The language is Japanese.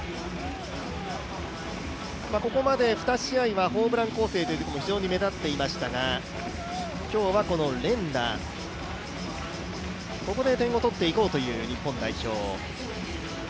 ここまで２試合はホームラン攻勢ということも非常に目立っていましたが今日は連打、ここで点を取っていこうという日本代表。